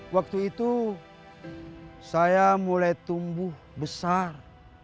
waktu itu saya mulai tumbuh besar